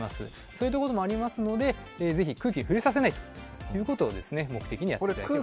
そういうこともありますのでぜひ、空気に触れさせないことを目的にやってください。